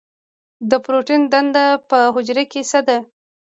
د پروټین دنده په حجره کې څه ده؟